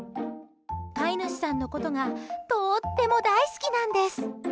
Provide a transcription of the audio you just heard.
飼い主さんのことがとっても大好きなんです。